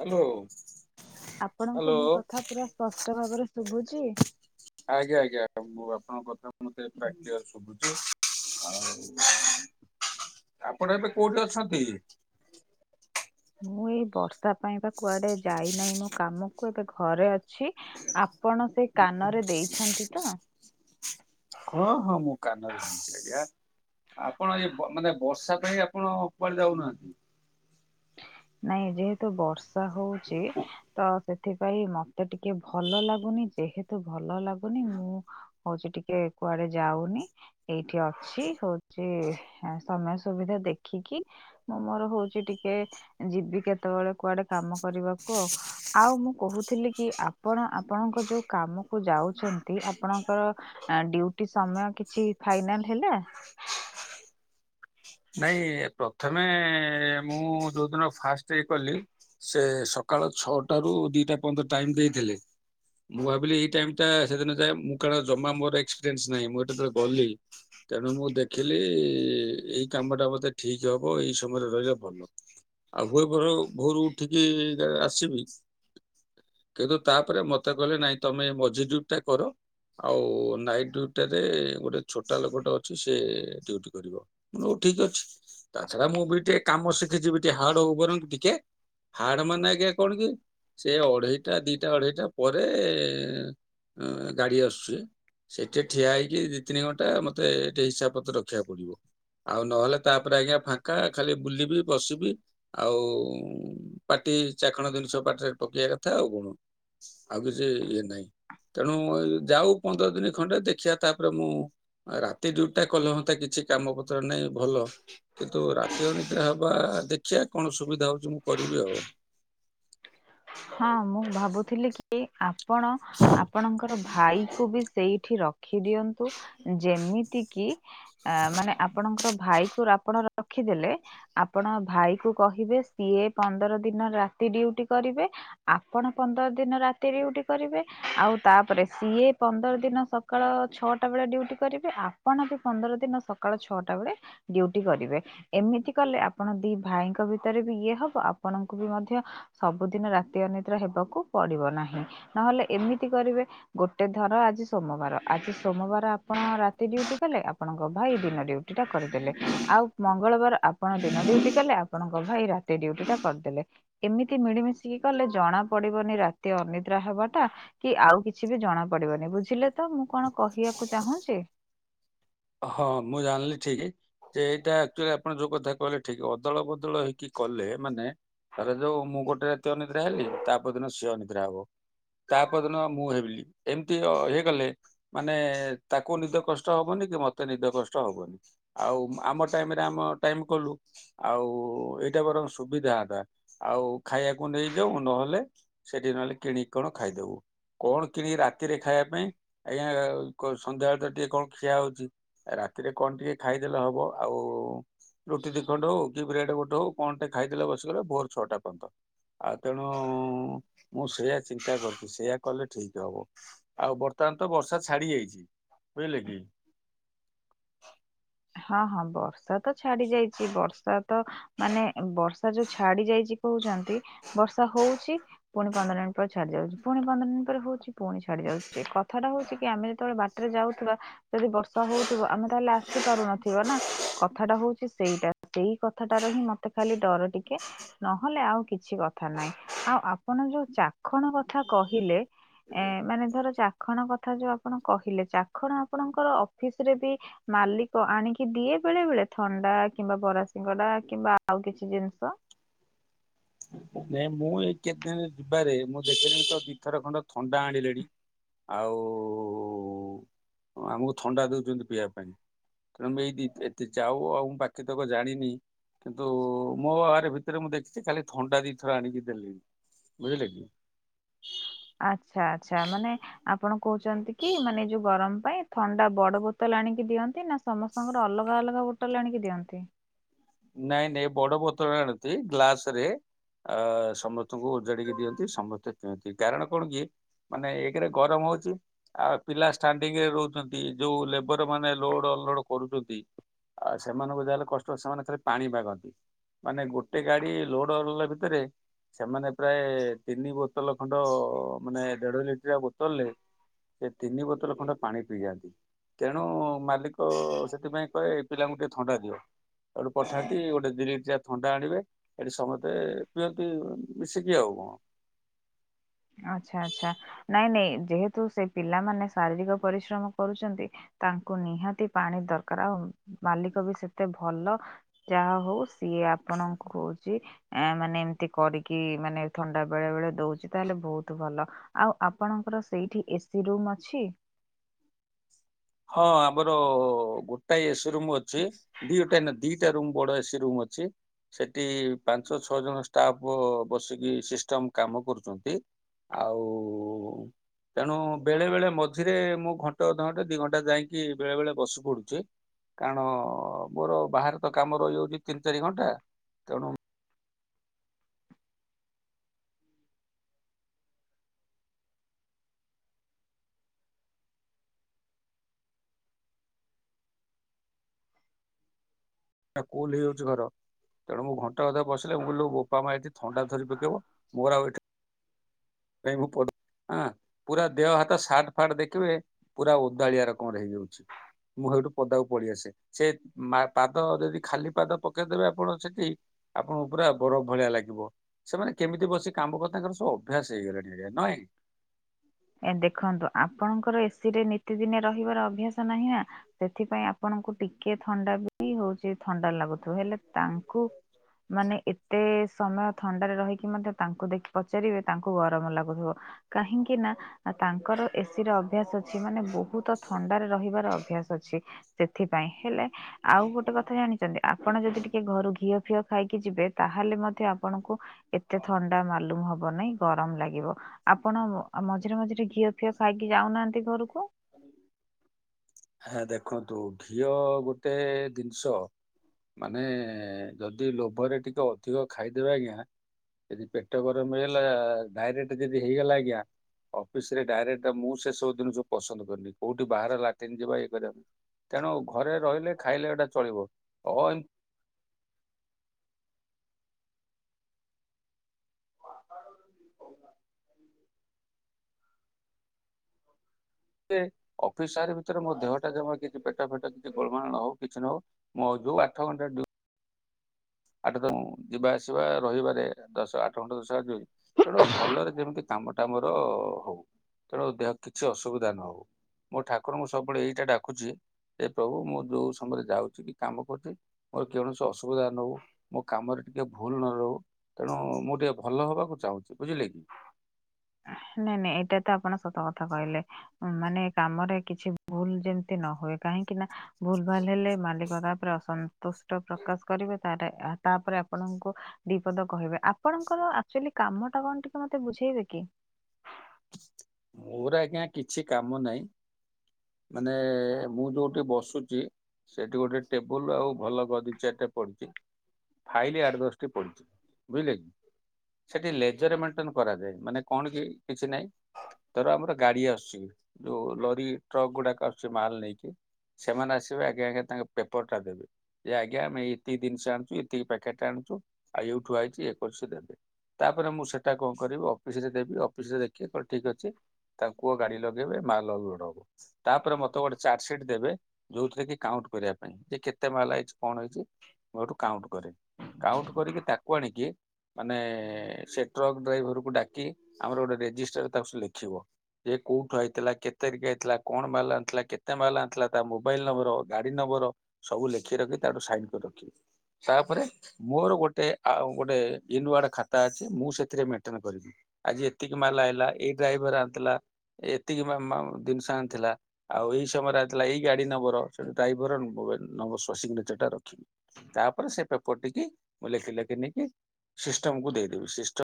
Hello. ଆପଣଙ୍କୁ ମୋ କଥା ପୁରା ସ୍ପଷ୍ଟ ଭାବରେ ଶୁଭୁଛି? ଆଜ୍ଞା ଆଜ୍ଞା ମୁଁ ଆପଣଙ୍କ କଥା ମତେ ପ୍ରାକ୍ ଶୁଧୁଛି ଆଉ [unintelligible] ଆପଣ ଏବେ କୋଉଠି ଅଛନ୍ତି? ମୁଁ ଏଇ ବର୍ଷା ପାଇଁ ବା କୁଆଡେ ଯାଇ ନାଇଁ ମୋ କାମକୁ ଏବେ ଘରେ ଅଛି ଆ ଆପଣ ସେ କାନରେ ଦେଇଛନ୍ତି ତ? ହଁ ହଁ ମୁଁ କାନରେ ଦେଇଛି ଆଜ୍ଞା। ଆପଣ ଏ ବ ମାନେ ବର୍ଷା ପାଇଁ ଆପଣ କୁଆଡ଼େ ଯାଉନାହାନ୍ତି? ନାଇଁ ଯେହେତୁ ବର୍ଷା ହଉଛି ତ ସେଥିପାଇଁ ମତେ ଟିକେ ଭଲ ଲାଗୁନି ଯେହେତୁ ଭଲ ଲାଗୁନି ମୁଁ ହଉଛି ଟିକେ କୁଆଡେ ଯାଉନି ଏଇଠି ଅଛି ହଉଛି ଏ ସମୟ ସୁବିଧା ଦେଖିକି ମୁଁ ମୋର ହଉଛି ଟି କେ ଯିବି କେତେବେଳେ କୁଆଡେ କାମ କରିବାକୁ ଆ ଆଉ ମୁଁ କହୁଥିଲି କି ଆପଣ ଆପଣଙ୍କ ଯୋଉ କାମକୁ ଯାଉଛନ୍ତି ଆପଣଙ୍କର ଏ ଡ୍ୟୁଟି ସମୟ କିଛି ଥାଏ ମ୍ୟାମ ହେଲା। ନାଇଁ ପ୍ରଥମେ ମୁଁ ଯୋଉଦିନ ଫାଷ୍ଟ କି କଲି। ସେ ସକାଳ ଛଅଟା ରୁ ଦିଟା ପନ୍ଦ ଟାଇମ ଦେଇଥିଲେ। ମୁଁ ଭାବିଲି ଏଇ ଟାଇମିଟା ସେଦିନ ଯାଏ ମୁଁ କାରଣ ଜମା ମୋର ଏକ୍ସପେନ୍ସ ନାହିଁ ମୁଁ ଏଟଳେ ଗଲି। ତେଣୁ ମୁଁ ଦେଖିଲି ଇଁ ଏଇ କାମଟା ମତେ ଠିକ ହବ ଏଇ ସମୟରେ ରହିବା ଭଲ। ଆଉ ବରଂ ଭୋରୁ ଉଠିକି ଆସିବି। [inaudible] କିନ୍ତୁ ତାପରେ ମତେ କହିଲେ ନାଇଁ ତମେ ମଝି ଡ୍ୟୁଟିଟା କର। ଆଉ ନାଇଟ୍ ଡ୍ୟୁଟିଟାରେ ଗୋଟେ ଛୋଟା ଲୋକଟ ଅଛି ସେ ଡ୍ୟୁଟି କରିବ। ହଉ ଠିକ ଅଛି ତା ଛଡା ମୁଁ ବି ଟିକେ କାମ ଶିଖିଯିବି ଟିକେ ହାର୍ଡ ହଉ ବରଂ ଟିକେ ହାର୍ଡ ମାନେ ଆଜ୍ଞା କଣ କି ସେ ଅଢେଇଟା ଦିଟା ଅଢେଇଟା ପରେ ଆ ଗାଡି ଆସୁଛି। ସେଠି ଠିଆ ହେଇକି ଦି ତିନି ଘଣ୍ଟା ମତେ ଟି ହିସାବ ପତ୍ର ରଖିବାକୁ ପଡିବ। ଆଉ ନହେଲେ ତାପରେ ଆଜ୍ଞା ଫାଙ୍କା ଖାଲି ବୁଲିବି ବସିବି ଆଉଁ ପାଟି ଚାଖଣ ଜିନିଷ ପାଠରେ ପକେଇବା କଥା ଆଉ କଣ ଆଉ କିଛି ଇଏ ନାହିଁ। ତେଣୁ ଯାଉ ପନ୍ଦର ଦିନ ଖଣ୍ଡେ ଦେଖିବା ତାପରେ ମୁଁ ରାତି ଡ୍ୟୁଟିଟା କଲେ ମତେ କିଛି କାମ ନାଇ ଭଲ କିନ୍ତୁ ରାତି ଅନିଦ୍ରା ହବା ଦେଖ ଖିଆ କଣ ସୁବିଧା ହଉଛି ମୁଁ କରିବି ଆଉ। ହଁ ମୁଁ ଭାବୁଥିଲି କି ଆ ଆପଣ ଆପଣଙ୍କର ଭାଇ କୁ ବି ସେଇଠି ର ରଖି ଦିଅନ୍ତୁ ଯେମିତି କିି ମାନେ ଆ ଆପଣଙ୍କର ଭାଇ କୁ ଆପଣ ରଖି ଦେଲେ ଆପଣ ଭାଇକୁ କହିବେ ସିଏ ପନ୍ଦର ଦିନ ରାତି ଡ୍ୟୁଟି କରିବେ ଆପଣ ପନ୍ଦର ଦିନ ରାତି ଡ୍ୟୁଟି କରିବେ ଆଉ ତାପରେ ସିଏ ପନ୍ଦର ଦିନ ସକ ସକାଳ ଛଅଟା ବେଳେ ଡ୍ୟୁଟି କରିବେ ଆପଣ ବି ପନ୍ଦର ଦିନ ସକାଳ ଛଅଟା ବେଳେ ଡ୍ୟୁଟି କରିବେ। ଏମିତି କଲେ ଆପଣ ଦି ଭାଇଙ୍କ ଭିତରେ ବି ଇଏ ହବ ଆପଣଙ୍କୁ ବି ମଧ୍ୟ ସବୁଦିନ ରା ତି ଅନିଦ୍ରା ହେବାକୁ ପଡିବ ନାହିଁ ନହେଲେ ଏମିତି କରିବେ ଗୋଟେ ଧର ଆଜି ସୋମବାର ଆଜି ସୋମବାର ଆପଣ ରାତି ଡ୍ୟୁଟି କଲେ ଆପଣଙ୍କ ଭାଇ ଦିନ ଡ୍ୟୁଟ ଟା କରିଦେଲେ ଆଉ ମଙ୍ଗଳବାର ଆପଣ ଦିନଟି ଡ୍ୟୁଟି କଲେ ଆପଣ ଙ୍କ ଭାଇ ରାତି ଡ୍ୟୁଟିଟା କରିଦେଲେ ଏମିତି ମିଳିମିଶିକି କଲେ ଜଣା ପଡିବନି ରାତି ଅନିଦ୍ରା ହେବାଟା କି ଆଉ କିଛି ବି ଜଣା ପଡିବନି ବୁଝିଲେ। ତ ମୁଁ କଣ କହିବାକୁ ଚାହୁଁଛି? ହଁ ମୁଁ ଜାଣିଲି ଠିକ ଯେ ଏଇଟା ଆକଚୁଆଲି ଆପଣ ଯୋଉ କଥା କହିଲେ ଠିକ ଅଦଳ ବଦଳ ହେଇକି କଲେ ମାନେ ଧରା ଯାଉ ମୁଁ ଗୋଟେ ରାତି ଅନିଦ୍ରା ହେଲି ତାପର ଦିନ ସିଏ ଅନିଦ୍ରା ହବ। ତାପଦିନ ମୁଁ ହେବି ଏମିତି ଅ ହେଇ ଗଲେ ମାନେ ତାକୁ ନିଦ କଷ୍ଟ ହବନି କି ମତ ତେ ନିଦ କଷ୍ଟ ହବନି ଆଉ ଆମ ଟାଇମରେ ଆମ ଟାଇମ କଲୁ ଆଉ ଏଇଟା ସୁବିଧା ହନ୍ତା ଆଉ ଖାଇବାକୁ ନେଇଯାଉ ନହେଲେ ସେଠି ନହେଲେ କିଣିକି କଣ ଖାଇଦବୁ। କଣ କିଣିକି ରାତିରେ ଖାଇବା ପାଇଁ ଆଜ୍ଞା କ ସନ୍ଧ୍ୟାବେଳେ ତ ଟିକେ କଣ ଖିଆ ହଉଛି। ରାତିରେ କଣ ଟିକେ ଖାଇଦେଲେ ହବ ଆଉ ରୁଟି ଦି ଖଣ୍ଡ ହଉ କି ବ୍ରେଡ ଗୋଟେ ହଉ କଣଟେ ଖାଇଦେଲେ ବସିଗଲେ ଭୋର ଛଟା ପର୍ଯ୍ୟନ୍ତ। ଆଉ ତେଣୁ ମୁଁ ସେଇଆ ଚିନ୍ତା କରୁଛି ସେଇୟା କଲେ। ଠିକ ହବ ଆଉ ବର୍ତ୍ତମାନ ତ ବର୍ଷା ଛାଡି ଯାଇଛି ବୁଝିଲେ କି? [unintelligible] ହଁ ହଁ ବର୍ଷା ତ ଛାଡି ଯାଇଛି ବର୍ଷା ତ ମାନେ ବର୍ଷା ଯୋଉ ଛାଡି ଯାଇଚି ହୋ ଯାଆନ୍ତି ବର୍ଷା ହଉଚି ପୁଣି ପନ୍ଦର ମିନିଟ ପରେ ଛାଡି ଯାଉଚି ପୁଣି ପନ୍ଦର ମିନିଟ ପରେ ହଉଚି ପୁଣି ଛାଡି ଯାଉଚି। କଥାଟା ହଉଚି କି ଆମେ ଯେତେବେଳେ ବାଟରେ ଯାଉଥିବା ଯଦି ବର୍ଷା ହଉଥିବ ଆମେ ତାହେଲେ ଆ ଆସିପାରୁନଥିବ ନା କଥାଟା ହଉଚି ସେଇଟା ସେଇ କଥାଟାର ହିଁ ମତେ ଖାଲି ଡର ଟିକେ। ନହେଲେ ଆଉ କିଛି କଥା ନାହିଁ ଆଉ ଆପଣ ଯୋଉ ଚାଖଣ କଥା କହିଲେ। ଏଁ ମାନେ ଧର ଚାକ ଚାଖଣ କଥା ଯୋଉ ଆପଣ କହିଲେ ଚାଖଣ ଆପଣଙ୍କର ଅଫିସ ରେ ବି ମାଲିକ ଆଣିକି ଦିଏ ବେଳେ ବେଳେ ଥଣ୍ଡା କିମ୍ବା ବରା ସିଙ୍ଗଡା କିମ୍ବା ଆଉ କିଛି ଜିନିଷ। [inaudible] ନାଇଁ ମୁଁ ଏଇ କେତେ ଦିନ ଯିବାରେ ମୁଁ ଦେଖିଲିଣି ତ ଦିଥର ଖଣ୍ଡେ ଥଣ୍ଡା ଆଣିଲେଣି। ଆଉ ଉ ଆମକୁ ଥଣ୍ଡା ଦଉଛନ୍ତି ପିଇବା ପାଇଁ। ତେଣୁ ମୁ ଏଇଦି ଏତେ ଯାଉ ଆଉ ମୁଁ ବାକିତକ ଜାଣିନି। କିନ୍ତୁ ମୋ ଆରେ ଭିତରେ ମୁଁ ଦେଖିଛି ଖାଲି ଥଣ୍ଡା ଦି ଦିଥର ଆଣିକି ଦେଲେଣି ବୁଝିଲେକି। ଆ୍ଛା ଆଛା ମାନେ ଆପଣ। କହୁଛନ୍ତି କି ମାନେ ଯୋଉ ଗରମ ପାଇଁ ଥଣ୍ଡା ବଡ ବୋତଲ ଆଣିକି ଦିଅନ୍ତି ନା ସମସ୍ତଙ୍କର ଅଲଗା ଅଲଗା ବୋଟଲ୍ ଆଣିକି ଦିଅନ୍ତି। ନାଇଁ ନାଇଁ ବଡ ବୋତର ଆଣତି ଗ୍ଲାସ୍ ରେ ଅ ସମସ୍ତଙ୍କୁ ଉଜାଡିକି ଦିଅନ୍ତି ସମସ୍ତେ ପିଅନ୍ତି କାରଣ କଣ କି। ମାନେ ଏକେରେ ଗରମ ହଉଚି ଆଉ ପିଲା ଷ୍ଟାଣ୍ଡିଙ୍ଗ୍ ରେ ରହୁଛନ୍ତି ଯୋଉ ଲେବର ମାନେ ଲୋଡ ଲୋଡ଼ କରୁଚନ୍ତି ଆଉ ସେମାନଙ୍କୁ ଯାହାେଲେ କଷ୍ଟ ସେମାନେ ଖାଲି ପାଣି ମାଗନ୍ତି। ମାନେ ଗୋଟେ ଗାଡି ଲୋଡଅଲୋଡ଼ ଭିତରେ ସେମାନେ ପ୍ରାୟେ ତିନି ବୋତଲ ଖଣ୍ଡ ମାନେ ଦେଢ ଲିଟରିଆ ବୋତଲରେ ସେ ତିନି ବୋତଲ ଖଣ୍ଡେ ପାଣି ପିଇଯାଆନ୍ତି। ତେଣୁ ମାଲିକ ସେଥିପାଇଁ କହେ ଏ ପିଲାଙ୍କୁ ଟିକେ ଥଣ୍ଡା ଦିଅ ହେଠୁ କରିଥାନ୍ତି ଗୋଟେ ଦି ଲିଟିରିଆ ଥଣ୍ଡା ଆଣିବେ ଏଠି ସମସ୍ତେ ପିଅନ୍ତି ମିଶିକି ଆଉ କଣ [unintelligible] ଆଚ୍ଛା ଆଚ୍ଛା ନାଇଁ ନାଇଁ ଯେହେତୁ ସେ ପିଲାମାନେ ଶାରୀରିକ ପରିଶ୍ରମ କରୁଚନ୍ତି। ତାଙ୍କୁ ନିହାତି ପାଣି ଦରକାର ଆଉ ମାଲିକ ବି ସେତେ ଭଲ ଯାହା ହଉ ସିଏ ସେ ଆପଣଙ୍କୁ ହଉଛି ମାନେ ଏମତି କରିକି ମାନେ ଥଣ୍ଡା ବେଳେ ବେଳେ ଦଉଚି। ତାହେଲେ ବହୁତ ଭଲ ଆଉ ଆପଣଙ୍କର ସେଇଠି ଏସି ରୁମ୍ ଅଛି? [inaudible] ହଁ ଆମର ଗୋଟାଏ ଏସି ରୁମ ଅଛି ଦିଟା ଦିଟା ରୁମ୍ ବଡ ଏସି ରୁମ୍ ଅଛି। ସେଠି ପାଞ୍ଚ ଛଅ ଜଣ ଷ୍ଟାଫ୍ ବସିକି ସିଷ୍ଟମ କାମ କରୁଚନ୍ତି। ଆଉ ତେଣୁ ବେଳେ ବେଳେ ମଝିରେ ମୁଁ ଘଣ୍ଟେ ଅଧଘଣ୍ଟେ ଦି ଘଣ୍ଟା ଟା ଯାଇକି ବେଳେ ବେଳେ ବସି ପଡୁଚେ। କାରଣ ମୋର ବାହାରେ ତ କାମ ରହିଯାଉଚି ତିନି ଚାରି ଘଣ୍ଟା ତେଣୁ ସେଟା କୂଲ ହେଇଯାଉଚି ଘର। ତେଣୁ ମୁଁ ଘଣ୍ଟେ ଅଧେ ଵଶିଲେ ଉଁ ଲୋ ବୋପା ମା ଏଠି ଥଣ୍ଡା ଥରି ପକେଇବ ମୋର ଆଉ ଏଠି ନାଇଁ ମୁଁ ପଦା ଆଁ ପୁରା ଦେହ ହାତ ସାଟ୍ ଫାଟ୍ ଦେଖିବେ ପୁରା ଓଦାଳିଆ ରକମର ହେଇଯାଉଛି ମୁଁ ହେଠୁ ପଦାକୁ ପଳେଇ ଆସେ ସେ ପାଦ ଯଦି ଖାଲି ପାଦ ପକେଇଦେବେ ଆପଣ ସେଠି ଆପ ପୁରା ବରଫ ଭଳିଆ ଲାଗିବ ସେମାନେ କେମିତି ବସି କାମ କରି ତାଙ୍କର ସବୁ ଅଭ୍ୟାସ ହେଇଗଲାଣି ହେଇଗଲାଣି ନୁହେଁ ଏ ଦେଖନ୍ତୁ ଆପଣଙ୍କର ଏ ଏସିରେ ନିତିଦିନିଆ ରହିବାର ଅଭ୍ୟାସ ନାହିଁ ନା ସେଥିପାଇଁ ଆପଣଙ୍କୁ ଟିକେ ଥଣ୍ଡା ବି ହଉଚି ଥଣ୍ଡା ଲାଗୁଥିବ ହେଲେ ତାଙ୍କୁ ମାନେ ଏତେ ସମୟ ଥଣ୍ଡାରେ ରହିକି ମଧ୍ୟ ତାଙ୍କୁ ଦେଖି ପଚାରିବେ ତାଙ୍କୁ ଗରମ ଲାଗୁଥିବ। କାହିଁ କି ନା ତାଙ୍କର ଏସି ର ଅଭ୍ୟାସ ଅଛି ମାନେ ବହୁତ ଥଣ୍ଡାରେ ରହିବାର ଅଭ୍ୟାସ ଅଛି। ସେଥିପାଇଁ ହେଲେ ଆଉ ଗୋଟେ କଥା ଜାଣିଛନ୍ତି ଆପଣ ଯଦି ଟିକେ ଘରୁ ଘିଅ ଘିଅ ଖାଇକି ଯିବେ ତାହେଲେ ମଧ୍ୟ ଆପଣଙ୍କୁ ଏତେ ଥଣ୍ଡା ମାଲୁମ ହବ ବନାଇଁ ଗରମ ଲାଗିବ ଆପଣ ମଝିରେ ମଝିରେ ଘିଅ ଫିଅ ଖାଇକି ଯାଉନାହାନ୍ତି ଘରକୁ [unintelligible] ହେ ଦେଖନ୍ତୁ ଘିଅ ଗୋଟେ ଜିନିଷ ମାନେ ଯଦି ଲୋଭରେ ଟିକେ ଅଧିକ ଖାଇଦେବେ ଆଜ୍ଞା। ଯଦି ପେଟ ଗରମ ହେଇଗଲା ଡାଇରେକ୍ଟ ଯଦି ହେଇଗଲା ଆଜ୍ଞା। ଅଫିସ ରେ ଡାଇରେକ୍ଟ ମୁଁ ସେ ସବୁ ଜିନିଷବ ପସନ୍ଦ କରିନି କୋଉଠି ବାହାରେ ଲାଟିନ୍ ଯିବା ଇଏ କରିବା। ତେଣୁ ଘରେ ରହିଲେ ଖାଇଲେ ଏଇଟା ଚଳିବ ଅ [inaudible] ଫେ ଅଫିସ ସାର୍ ଭିତରେ ମୋ ଦେହଟା ଜମା କିଛି ପେଟ ଫେଟ କିଛି ଗୋଳମାଳ ନ ହଉ କିଛି ନ ହଉ ମଉ ଯଉ ଆଠ ଘଣ୍ଟା ଦ ଆଠ ତମ ଯିବା ଆସିବା ରହିବାରେ ଦଶ ଆଠ ଘଣ୍ଟା ଦଶ ତେଣୁ ଭଲରେ ଯେମିତି କାମ ଟା ମୋର ହଉ ତେଣୁ ଦେହ କିଛି ଅସୁବିଧା ନ ହଉ। ମୋ ଠାକୁରଙ୍କୁ ସବୁବେଳେ ଏଇଟା ଡାକୁଛି। ଏ ପ୍ରଭୁ ମୁଁ ଯୋଉ ସମୟରେ ଯାଉଛି କି କାମ କରୁଛି, ମୋର କୌଣସି ଅସୁବିଧା ନ ହଉ। ମୋ କାମରେ ଟିକେ ଭୁଲ ନ ରହୁ ତେଣୁ ମୁଁ ଟିକେ ଭଲ ହବାକୁ ଚାହୁଁଛି ବୁଝିଲେ କି ନାଇଁ ନାଇଁ ଏଇଟା ତ ଆପଣ ସତ କଥା କହିଲେ ମାନେ କାମରେ କିଛି ଭୁଲ ଯେମତି ନ ହୁଏ, କାହିଁକି ନା ଭୁଲ ଭାଲ ହେଲେ ମାଲିକ ତାପରେ ଅସନ୍ତ ପ୍ରକାଶ କରିବେ ତାପରେ ଆପଣଙ୍କୁ ଦିପଦ କହିବେ ଆପଣଙ୍କର ଏକ୍ଟୁଲି କାମ ତମ ଟା କଣ ଟିକେ ମତେ ବୁଝେଇବେ କି ମୋର ଆଜ୍ଞା କିଛି କାମ ନାହିଁ। ମାନେ ମୁଁ ଯୋଉଠି ବସୁଛି ସେଠି ଗୋଟେ ଟେବୁଲ ଆଉ ଭଲ ଗଦି ଚେୟାର ଟିଏ ପଡିଛି। ଫାଇଲି ଆଠ ଦଶଟି ପଡିଛି ବୁଝିଲେ କି ସେଠି ଲେଜର ମେଣ୍ଟେନ କରାଯାଏ ମାନେ କଣ କି କିଛି ନାହିଁ ଧର ଆମର ଗାଡି ଆସୁଛି ଯୋଉ ଲରି ଟ୍ରକ୍ ଗୁଡାକ ଆସୁଛି ମାଲ ନେଇକି। ସେମାନେ ଆସିବେ ଆଗେ ଆଗେ ତାଙ୍କ ପେପର ଟା ଦେବେ ଯେ ଆଜ୍ଞା ଆମେ ଏତିକି ଜିନିଷ ଆଣିଛୁ ଏତିକି ପ୍ୟାକେଟ୍ ଆଣିଛୁ। ଆଉ ଏଇଠୁ ଆଇଛି ଏ କରିଛୁ ତାପରେ ମୁଁ ସେଟା କଣ କରିବି ଅଫିସ ରେ ଦେବି ଅଫିସ ରେ ଦେଖିବି କହିଲ ଠିକ ଅଛି। ତା କୁଅ ଗାଡି ଲଗେଇବେ ମାଲ ଆଲୋଡ ହବ। ତାପରେ ମତେ ଗୋଟେ ଚାର୍ଜ ସଟ ଦେବେ ଯୋଉଥିରେ କି କାଉଣ୍ଟ କରିବା ପାଇଁ ଯେ କେତେ ମାଲା ହେଇଛି କଣ ହେଇଛି। ମୁଁ ଏଠୁ କାଉଣ୍ଟ କରେ କାଉଣ୍ଟ କରିକି ତାକୁ ଆଣିକି ମାନେ ସେ ଟ୍ରକ୍ ଡ୍ରାଇଭରକୁ ଡାକି ଆମର ଗୋଟେ ରେଜିଷ୍ଟର ତାକୁ ସେ ଲେଖିବ। କୋଉଠୁ ଆଇଥିଲା କେତେ ତାରିଖି ଆଇଥିଲା। କଣ ମାଲ ଆଣିଥିଲା କେତେ ମାଲ ଆଣିଥିଲା ତା ମୋବାଇଲ ନମ୍ବର ଗାଡି ନମ୍ବର ସବୁ ଲେଖି ରଖି ତାଠୁ ସାଇନ୍ କରି [unintelligible] ତାପରେ ମୋର ଗୋଟେ ଗୋଟେ ଇନୁଆଡ ଖାତା ଅଛି, ମୁଁ ସେଥିରେ ମେଣ୍ଟେନ କରିବି। ଆଜି ଏତିକି ମାଲା ହେଇଲା ଏଇ ଡ୍ରାଇଭର ଆଣିଥିଲା ଏତିକି ଜିନିଷ ଆ ଥିଲା ଆଉ ଏଇ ସମୟରେ ଆଇଥିଲା ଏଇ ଗାଡି ନମ୍ବର ସେଠୁ ଡ୍ରାଇଭର ସିଗ୍ନେଚରଟା ରଖିବି ତାପରେ ସେ ପେପରଟିକି ମୁଁ ଲେଖି ଲେଖି ନେଇକି ସିଷ୍ଟମକୁ ଦେଇଦେବି ସିଷ୍ଟମ